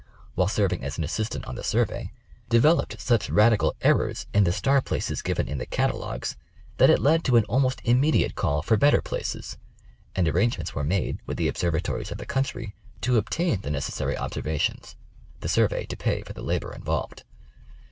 while serving as an Assistant on the Survey, developed such radical errors in The 8u7'vey of the Coast. 65 the star places given in the catalogues, that it led to an almost immediate call for better places, and arrangements were made with the observatories of the countr} to obtain the necessary ob servations, the Survey to pay for the labor involved.